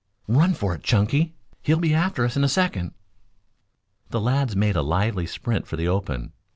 "Run for it, Chunky! He'll be after us in a second." The lads made a lively sprint for the open.